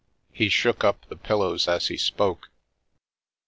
He shook up the pillows as he spoke.